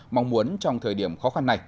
mong muốn trong thời điểm khó khăn này